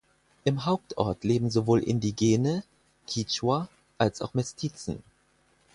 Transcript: Im Hauptort leben sowohl Indigene (Kichwa) als auch Mestizen.